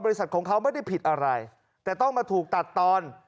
ของเขาไม่ได้ผิดอะไรแต่ต้องมาถูกตัดตอน